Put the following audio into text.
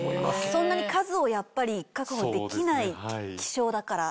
そんなに数をやっぱり確保できない希少だから。